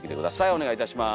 お願いいたします。